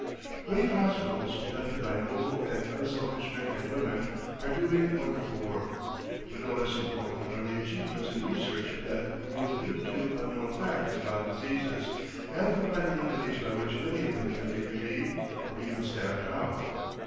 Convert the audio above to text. Great hospitals conducted by noble and unselfish men and women are doing wonderful work; but no less important are the achievements in research that reveal hitherto unknown facts about diseases and provide the remedies by which many of them can be relieved or even stamped out.